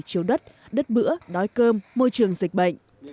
chiếu đất đất bữa đói cơm môi trường dịch bệnh